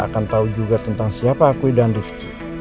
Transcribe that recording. dia akan tau juga tentang siapa aku dan rifki